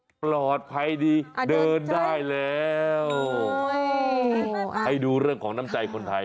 ปลอดภัยดีเดินได้แล้วให้ดูเรื่องของน้ำใจคนไทย